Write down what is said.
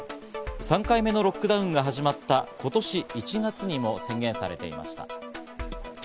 ３回目のロックダウンが始まった今年１月にも宣言されていました。